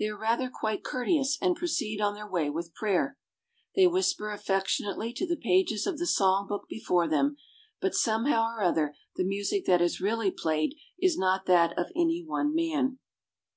They are rather quite courteous and proceed on their way with prayer. They whis per affectionately to the pages of the song book before them — but somehow or other the music that is really played is not that of any one man.